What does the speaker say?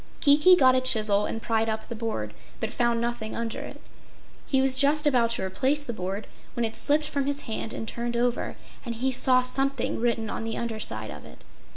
Kiki got a chisel and pried up the board, but found nothing under it. He was just about to replace the board when it slipped from his hand and turned over, and he saw something written on the underside of it.